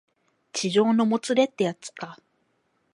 痴情のもつれってやつか